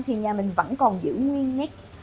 thì nhà mình vẫn còn giữ nguyên nét